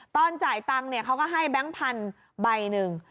ตอนจ่ายตังค์เขาก็ให้แบงค์พันธุ์ใบหนึ่ง